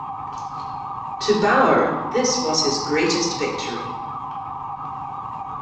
To Bauer this was his greatest victory.